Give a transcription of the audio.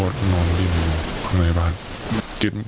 พ่อก็นอนพักตรงพักตรงในบ้าน